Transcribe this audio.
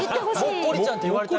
もっこりちゃんって言われたい？